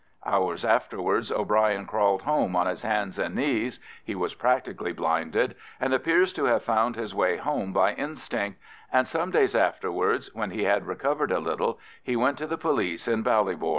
Hours afterwards O'Brien crawled home on his hands and knees—he was practically blinded, and appears to have found his way home by instinct,—and some days afterwards, when he had recovered a little, he went to the police in Ballybor.